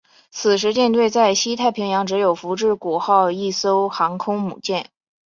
此时舰队在西太平洋只有福治谷号一艘航空母舰。